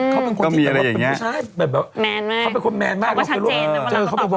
เค้าเป็นคนแมนมาก